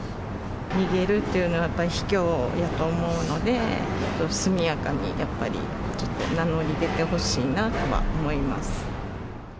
逃げるっていうのは、やっぱり卑怯やと思うので、速やかにやっぱりちょっと、名乗り出てほしいなとは思います。